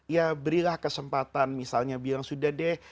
ya berilah kesempatan misalnya bilang sudah deh